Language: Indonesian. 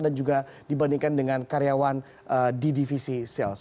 dan juga dibandingkan dengan karyawan di divisi sales